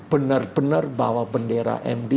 benar benar bawa bendera md